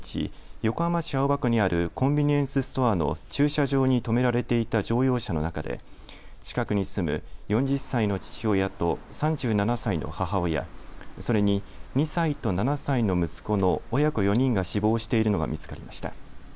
横浜市青葉区にあるコンビニエンスストアの駐車場に止められていた乗用車の中で近くに住む４０歳の父親と３７歳の母親、それに２歳と７歳の息子の親子４人が死亡しているのが見つかりました。